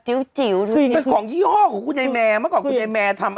กล้วยทอด๒๐๓๐บาท